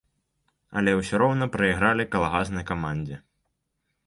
Але ўсё роўна прайгралі калгаснай камандзе.